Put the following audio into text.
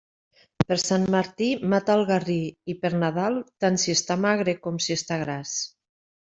Per Sant Martí mata el garrí, i per Nadal tant si està magre com si està gras.